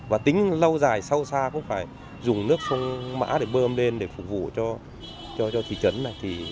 và tính lâu dài sâu xa cũng phải dùng nước sông mã để bơm lên để phục vụ cho thị trấn này